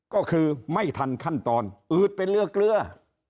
ก็คือไม่ทันขั้นตอนอืดเป็นเรือเกลือ